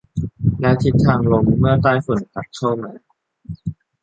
และทิศทางลมเมื่อไต้ฝุ่นพัดเข้ามา